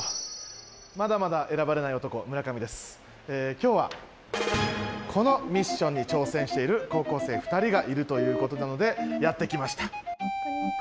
今日はこのミッションに挑戦している高校生２人がいるということなのでやって来ました。